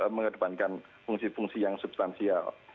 mengedepankan fungsi fungsi yang substansial